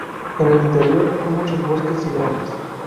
En el interior hay muchos bosques y granjas.